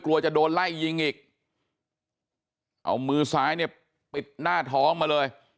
กลัวจะโดนไล่ยิงอีกเอามือซ้ายเนี่ยปิดหน้าท้องมาเลย